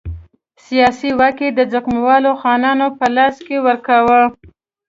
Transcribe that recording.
سیاسي واک یې د ځمکوالو خانانو په لاس کې ورکاوه.